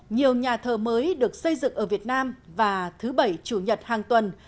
nhiều nhà thờ mới được xây dựng ở việt nam và thứ bảy chủ nhật hàng tuần